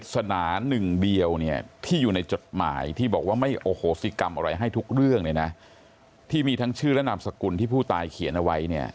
ศิกรรมอะไรให้ทุกเรื่องเลยนะที่มีทั้งชื่อและนามสกุลที่ผู้ตายเขียนเอาไว้เนี่ย